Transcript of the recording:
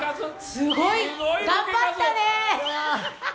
すごい、頑張ったね。